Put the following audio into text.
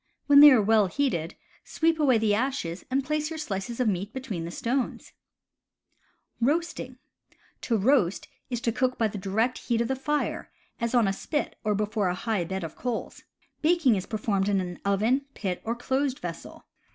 When they are well heated, sweep away the ashes, and place your slices of meat be tween the stones. To roast is to cook by the direct heat of the fire, as on a spit or before a high bed of coals. Baking is per „. formed in an oven, pit, or closed vessel.